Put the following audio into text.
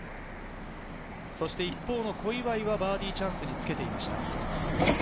一方の小祝はバーディーチャンスにつけていました。